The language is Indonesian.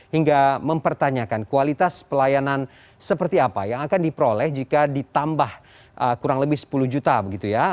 hingga mempertanyakan kualitas pelayanan seperti apa yang akan diperoleh jika ditambah kurang lebih sepuluh juta begitu ya